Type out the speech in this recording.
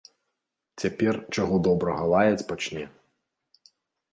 Цяпер, чаго добрага, лаяць пачне.